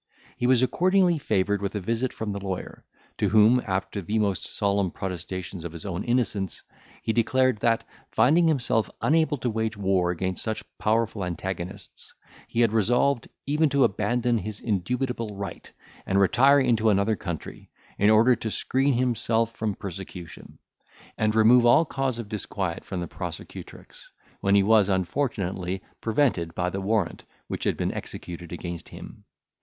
He was accordingly favoured with a visit from the lawyer, to whom, after the most solemn protestations of his own innocence, he declared, that, finding himself unable to wage war against such powerful antagonists, he had resolved even to abandon his indubitable right, and retire into another country, in order to screen himself from persecution, and remove all cause of disquiet from the prosecutrix, when he was, unfortunately, prevented by the warrant which had been executed against him.